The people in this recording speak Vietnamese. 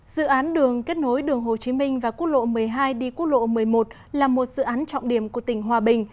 dự án đường kết nối đường hồ chí minh và quốc lộ một mươi hai đi quốc lộ một mươi một là một dự án trọng điểm của tỉnh hòa bình